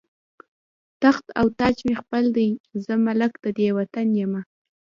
تخت او تاج مې خپل دی، زه مالک د دې وطن یمه